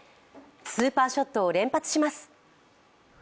スーパーショットを連発します。